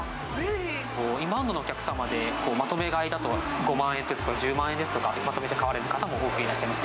インバウンドのお客様で、まとめ買いだと５万円ですとか、１０万円ですとか、まとめて買われる方も多くいらっしゃいます。